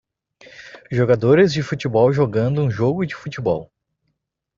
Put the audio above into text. Jogadores de futebol jogando um jogo de futebol.